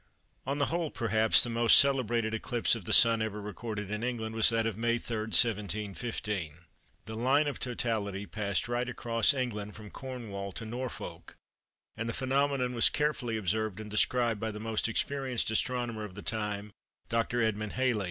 On the whole, perhaps, the most celebrated eclipse of the Sun ever recorded in England was that of May 3, 1715. The line of totality passed right across England from Cornwall to Norfolk, and the phenomenon was carefully observed and described by the most experienced astronomer of the time, Dr. Edmund Halley.